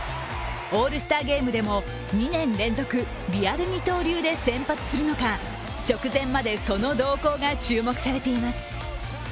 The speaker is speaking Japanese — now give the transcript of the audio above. オールスターゲームでも２年連続リアル二刀流で先発するのか直前までその動向が注目されています。